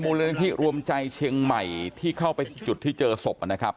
มันเป็นเร่งที่รวมใจเชียงใหม่ที่เข้าไปที่จุดที่เจอศพนะครับ